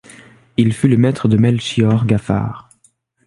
Il fut le maître de Melchiorre Gafar.